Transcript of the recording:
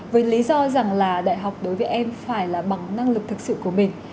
với lý do rằng là đại học đối với em phải là bằng năng lực thực sự của mình